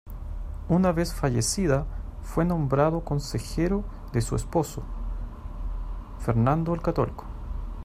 Una vez fallecida, fue nombrado consejero de su esposo, Fernando el Católico.